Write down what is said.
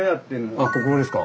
あっここですか？